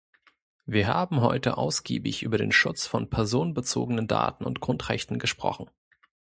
Wir haben heute ausgiebig über den Schutz von personenbezogenen Daten und Grundrechten gesprochen.